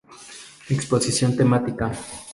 Exposición temática.